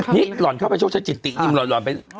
นี่หล่อนเข้าไปโชคชะจิตตินิมหล่อนไป